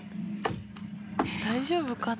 大丈夫かな？